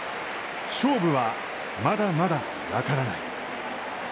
勝負は、まだまだ分からない。